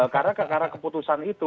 karena karena keputusan itu